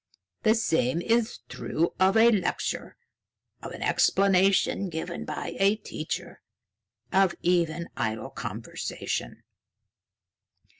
The same is true of a lecture, of an explanation given by a teacher, of even idle conversation.